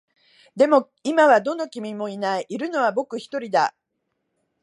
でも、今はどの君もいない。いるのは僕一人だ。